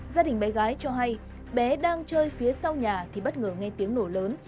gia đình bé gái cho hay bé đang chơi phía sau nhà thì bất ngờ nghe tiếng nổ lớn